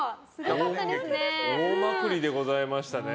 大まくりでございましたね。